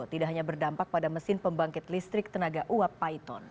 tidak hanya berdampak pada mesin pembangkit listrik tenaga uap paiton